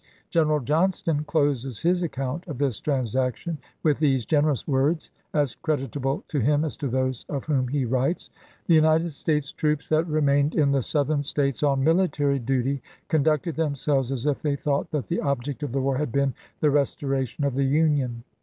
General Johnston closes his account of this transaction with these generous words, as creditable to him as to those of whom he writes :" The United States troops that remained in the Southern States on military duty conducted themselves as if they thought that the object of the war had been the restoration of the Union.